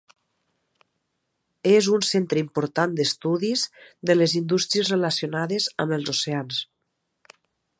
És un centre important d'estudis de les indústries relacionades amb els oceans.